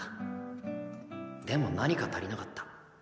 でも何か足りなかった。